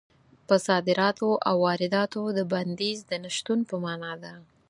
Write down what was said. په صادراتو او وارداتو د بندیز د نه شتون په مانا ده.